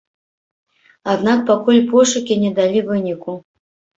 Аднак пакуль пошукі не далі выніку.